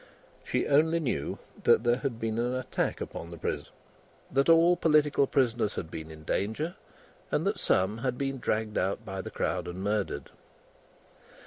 She only knew that there had been an attack upon the prisons, that all political prisoners had been in danger, and that some had been dragged out by the crowd and murdered.